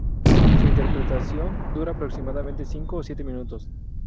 Su interpretación dura aproximadamente cinco o siete minutos.